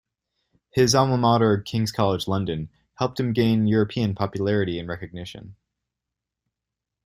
His alma mater, King's College London, helped him gain European popularity and recognition.